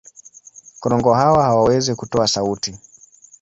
Korongo hawa hawawezi kutoa sauti.